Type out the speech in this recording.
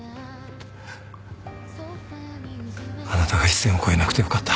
あなたが一線を越えなくてよかった。